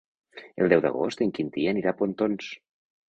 El deu d'agost en Quintí anirà a Pontons.